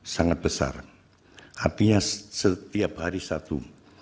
sangat besar artinya setiap hari satu